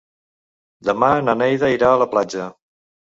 Demà na Neida irà a la platja.